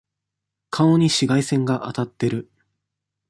顔に紫外線が当たってる。